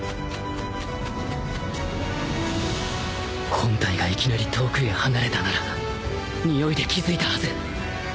本体がいきなり遠くへ離れたならにおいで気付いたはず